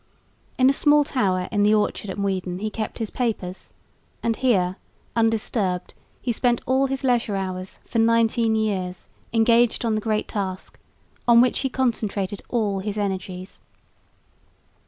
In a small tower in the orchard at Muiden he kept his papers; and here, undisturbed, he spent all his leisure hours for nineteen years engaged on the great task, on which he concentrated all his energies.